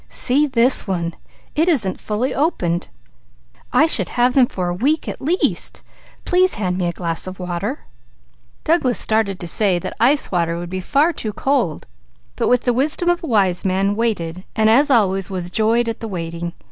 See this one! It isn't fully open. I should have them for a week at least. Please hand me a glass of water." Douglas started to say that ice water would be too cold, but with the wisdom of a wise man waited; and as always, was joyed by the waiting.